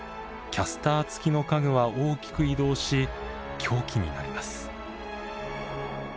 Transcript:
キャスター付きの家具は大きく移動し凶器になります。